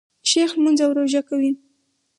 شیخ لمونځ او روژه کوي.